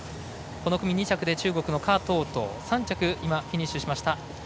この組２着で中国の華棟棟３着、フィニッシュしました